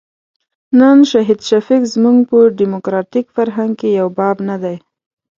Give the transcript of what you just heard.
نن شهید شفیق زموږ په ډیموکراتیک فرهنګ کې یو باب نه دی.